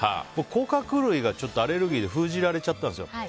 甲殻類がアレルギーで封じられちゃったんですよ。